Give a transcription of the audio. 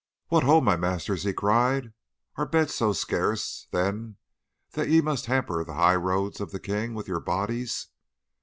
"'What ho, my masters!' he cried. 'Are beds so scarce, then, that ye must hamper the high road of the king with your bodies?